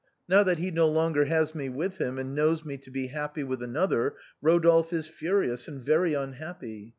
Now that he no longer has me with him, and knows me to be happy with another, Rodolphe is furious and very unhappy.